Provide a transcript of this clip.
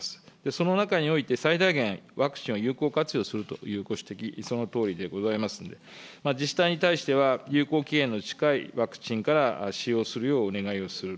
その中において、最大限ワクチンを有効活用するというご指摘、そのとおりでございますんで、自治体に対しては有効期限の近いワクチンから使用するようお願いをする。